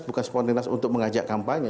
bukan spontanitas untuk mengajak kampanye